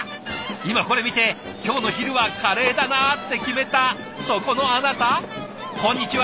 今これ見て「今日の昼はカレーだな」って決めたそこのあなたこんにちは。